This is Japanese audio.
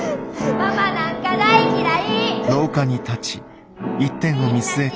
ママなんか大嫌い！